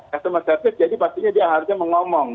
customer cervice jadi pastinya dia harusnya mengomong